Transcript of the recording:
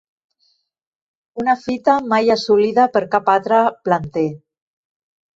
Una fita mai assolida per cap altre planter.